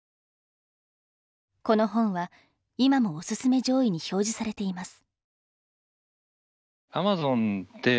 この本は今もおすすめ上位に表示されています。